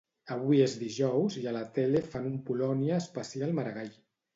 Avui és dijous i a la tele fan un Polònia Especial Maragall.